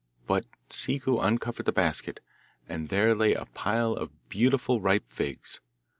But Ciccu uncovered the basket, and there lay a pile of beautiful ripe figs.